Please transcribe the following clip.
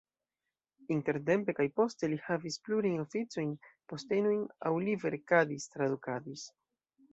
Intertempe kaj poste li havis plurajn oficojn, postenojn aŭ li verkadis, tradukadis.